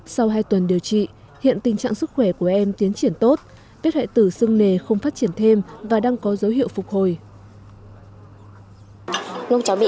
sau hai tuần điều trị hiện tình trạng sức khỏe của em tiến triển tốt vết hoại tử sưng nề không phát triển thêm và đang có dấu hiệu phục hồi